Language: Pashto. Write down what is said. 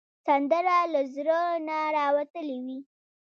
سندره له زړه نه راوتلې وي